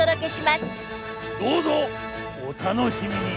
どうぞお楽しみに！